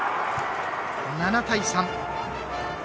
７対３。